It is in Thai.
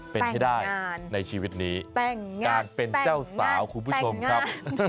เป็นให้ได้ในชีวิตนี้การเป็นเจ้าสาวคุณผู้ชมครับ